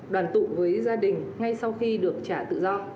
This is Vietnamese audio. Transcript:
đoàn tụ với gia đình ngay sau khi được trả tự do